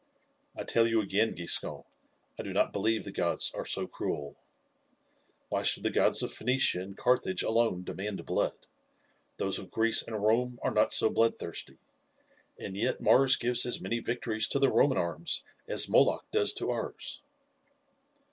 I tell you again, Giscon, I do not believe the gods are so cruel. Why should the gods of Phoenicia and Carthage alone demand blood? Those of Greece and Rome are not so bloodthirsty, and yet Mars gives as many victories to the Roman arms as Moloch does to ours."